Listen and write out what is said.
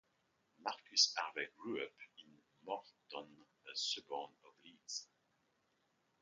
Marcus Harvey grew up in Moortown, a suburb of Leeds.